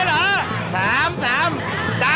๓นาทีเหรอ